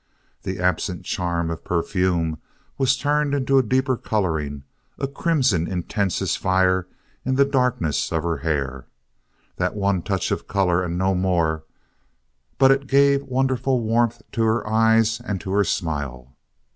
The absent charm of perfume was turned into a deeper coloring, a crimson intense as fire in the darkness of her hair. That one touch of color, and no more, but it gave wonderful warmth to her eyes and to her smile.